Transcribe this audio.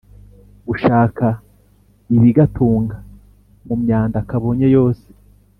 gashaka ibigatunga mu myanda kabonye yose